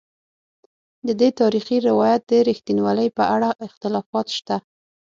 ددې تاریخي روایت د رښتینوالي په اړه اختلافات شته.